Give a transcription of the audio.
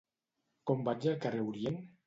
Com vaig al carrer Orient?